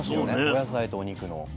お野菜とお肉の。